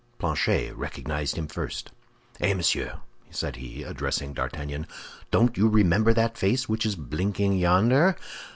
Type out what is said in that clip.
Planchet recognized him first. "Eh, monsieur!" said he, addressing D'Artagnan, "don't you remember that face which is blinking yonder?"